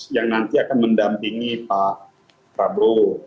yang nanti akan mendampingi pak prabowo